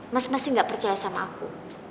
mas masih gak percaya sama aku